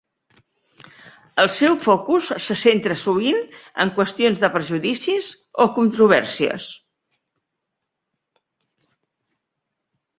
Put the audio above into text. El seu focus se centra sovint en qüestions de prejudicis o controvèrsies.